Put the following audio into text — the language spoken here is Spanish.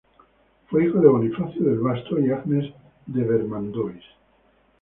Fue hijo de Bonifacio del Vasto y Agnes de Vermandois.